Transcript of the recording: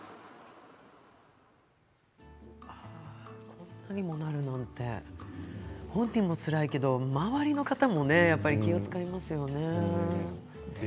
こんなにもなるなんて本人もつらいけど周りの方も気を遣いますよね。